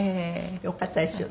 よかったですよね。